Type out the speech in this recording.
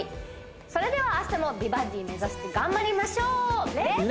それでは明日も美バディ目指して頑張りましょうレッツ！